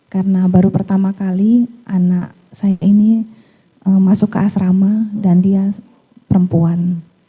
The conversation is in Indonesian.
karena baru pertama kali anak saya ini masuk ke asrama dan dia perempuan